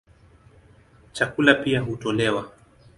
Chakula pia hutolewa.